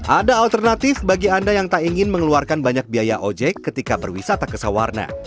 ada alternatif bagi anda yang tak ingin mengeluarkan banyak biaya ojek ketika berwisata ke sawarna